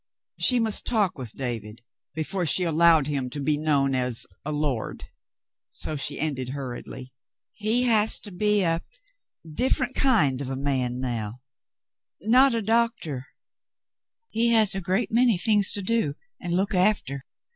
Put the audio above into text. She must talk with David before she allowed him to be known as "a lord," so she ended hurriedly : "He has to be a different kind of a man, now — not a doctor. He has a great many things to do and look after.